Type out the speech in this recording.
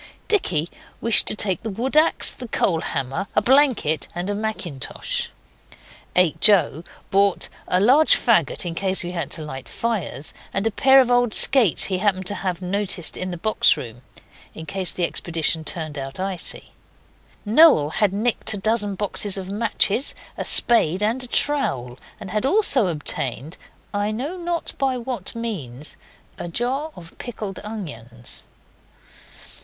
Dicky wished to take the wood axe, the coal hammer, a blanket, and a mackintosh. H. O. brought a large faggot in case we had to light fires, and a pair of old skates he had happened to notice in the box room, in case the expedition turned out icy. Noel had nicked a dozen boxes of matches, a spade, and a trowel, and had also obtained I know not by what means a jar of pickled onions.